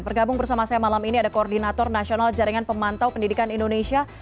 bergabung bersama saya malam ini ada koordinator nasional jaringan pemantau pendidikan indonesia